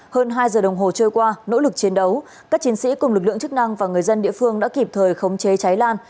hơn hai giờ đồng hồ trôi qua nỗ lực chiến đấu các chiến sĩ cùng lực lượng chức năng và người dân địa phương đã kịp thời khống chế cháy lan